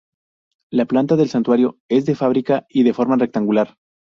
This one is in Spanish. La planta del santuario es de fábrica y de forma rectangular.